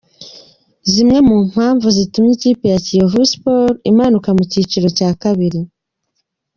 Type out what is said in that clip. Zimwe mu mpamvu zitumye ikipe ya Kiyovu Sports imanuka mu cyiciro cya kabiri.